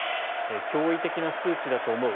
驚異的な数値だと思う。